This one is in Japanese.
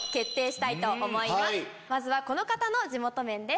まずはこの方の地元麺です。